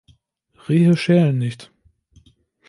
Rehe schälen nicht.